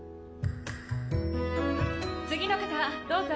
次の方どうぞ。